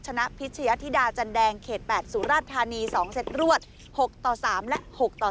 ชนะพิชยธิดาจันแดงเขต๘สุราชธานี๒เซตรวด๖ต่อ๓และ๖ต่อ๒